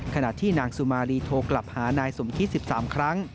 ขณะที่นางสุมารีโทรกลับหานายสมคิด๑๓ครั้ง